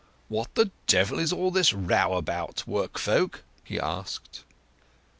"What the devil is all this row about, work folk?" he asked.